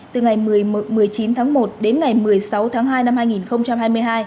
từ ngày một mươi chín tháng một đến ngày một mươi sáu tháng hai năm hai nghìn hai mươi hai